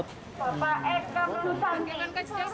takut di swabnya